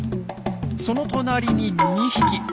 その隣に２匹。